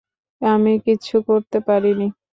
আমি কিচ্ছু করতে পারিনি।